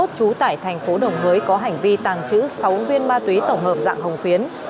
trú tại thành phố đồng hới có hành vi tàng trữ sáu viên ma túy tổng hợp dạng hồng phiến